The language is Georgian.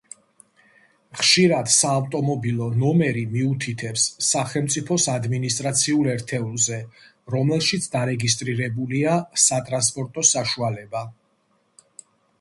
ხშირად საავტომობილო ნომერი მიუთითებს სახელმწიფოს ადმინისტრაციულ ერთეულზე, რომელშიც დარეგისტრირებულია სატრანსპორტო საშუალება.